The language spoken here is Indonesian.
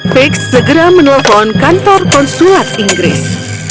fix segera menelpon kantor konsulat inggris